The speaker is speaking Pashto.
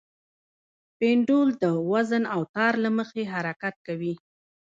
پینډول د وزن او تار له مخې حرکت کوي.